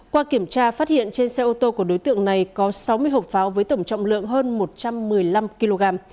qua kiểm tra phát hiện trên xe ô tô của đối tượng này có sáu mươi hộp pháo với tổng trọng lượng hơn một trăm một mươi năm kg